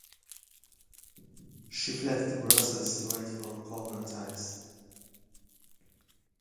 She fled to Brussels to wait for calmer times.